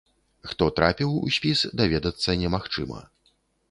Хто трапіў у спіс, даведацца немагчыма.